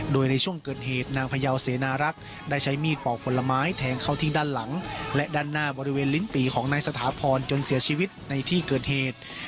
โดยในช่วงเกิดเหตุนางพยาวเสนารักษ์ได้ใช้มีดปอกผลไม้แทงเข้าที่ด้านหลังและด้านหน้าบริเวณลิ้นปีของนายสถาพรจนเสียชีวิตในที่เกิดเหตุ